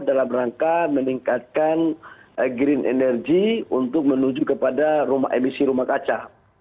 dalam rangka meningkatkan green energy untuk menuju kepada rumah emisi rumah kaca